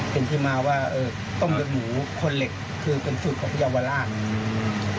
เป็นที่มาว่าเออต้มหรือหมูคนเหล็กคือเป็นสูตรของเยาวราชอืม